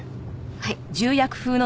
はい。